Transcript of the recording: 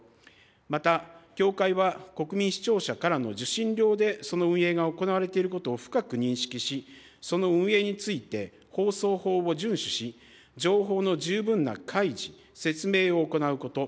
また、協会は国民・視聴者からの受信料でその運営が行われていることを深く認識し、その運営について、放送法を順守し、情報の十分な開示、説明を行うこと。